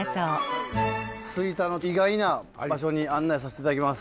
吹田の意外な場所に案内させていただきます。